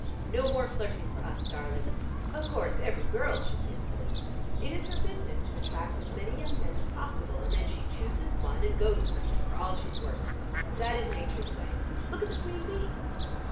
No more flirting for us, darling! Of course every girl should be a flirt: it is her business to attract as many young men as possible, and then she chooses one and goes for him for all she's worth. That is Nature's way: look at the queen bee."